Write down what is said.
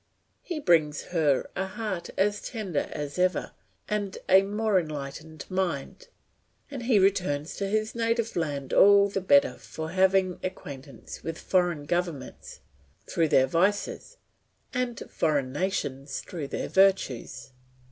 He brings her a heart as tender as ever, and a more enlightened mind, and he returns to his native land all the bettor for having made acquaintance with foreign governments through their vices and foreign nations through their virtues.